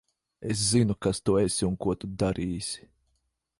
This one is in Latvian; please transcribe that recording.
Es zinu, kas tu esi un ko tu darīsi.